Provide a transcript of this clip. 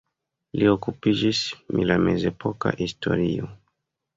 Li okupiĝis mi la mezepoka historio.